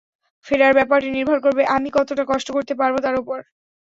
ফেরার ব্যাপারটি নির্ভর করবে আমি কতটা কষ্ট করতে পারব তার ওপর।